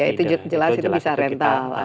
ya itu jelas itu bisa rental ada